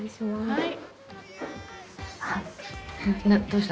はい。